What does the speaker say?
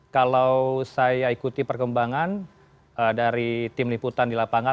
kalau saya ikuti perkembangan dari tim liputan di lapangan